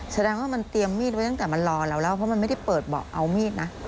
แสดงว่ามันเตรียมมีดไว้ตั้งแต่มันรอเราแล้วเพราะมันไม่ได้เปิดเบาะเอามีดนะ